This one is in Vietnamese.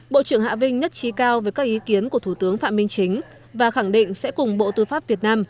bộ trưởng hạ vinh nhất trí cao với các ý kiến của thủ tướng phạm minh chính và khẳng định sẽ cùng bộ tư pháp việt nam